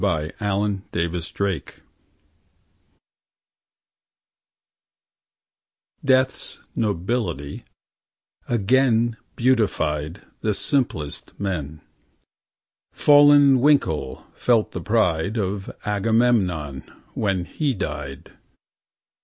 Death's nobility again Death's nobility again Beautified the simplest men. 59 Fallen Winkle felt the pride Of Agamemnon When he died